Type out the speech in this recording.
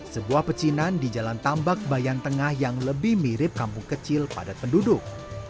sebuah pecinan di jalan tambak bayan tengah yang lebih mirip kampung kecil padat penduduk